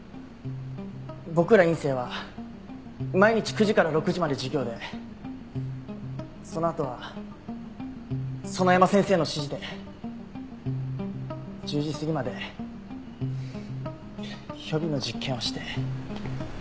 僕ら院生は毎日９時から６時まで授業でそのあとは園山先生の指示で１０時過ぎまで予備の実験をして。